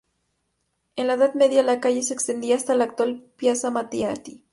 En la Edad Media la calle se extendía hasta la actual Piazza Matteotti.